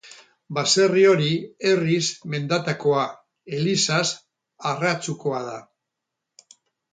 Baserri hori, herriz Mendatakoa, elizaz Arratzukoa da.